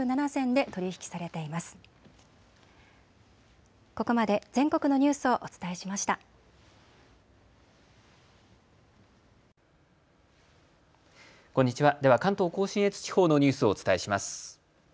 では関東甲信越地方のニュースをお伝えします。